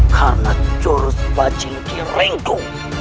karena jurus bajing kiringku